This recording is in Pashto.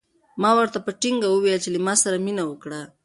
ما ورته په ټینګه وویل چې له ما سره مینه وکړه.